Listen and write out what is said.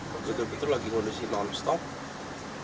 begitu begitu lagi ngondisi non stop